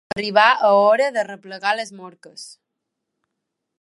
Arribar a hora d'arreplegar les morques.